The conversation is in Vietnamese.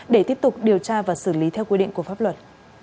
để tiếp tục điều tra và xử lý theo quy định của pháp luật